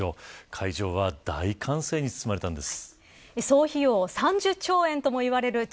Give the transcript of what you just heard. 会場は大歓声に包まれたんです。